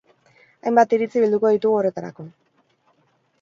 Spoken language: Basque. Hainbat iritzi bilduko ditugu horretarako.